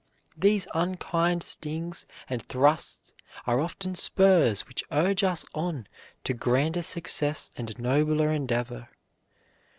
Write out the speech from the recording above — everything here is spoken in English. These unkind stings and thrusts are often spurs which urge us on to grander success and nobler endeavor.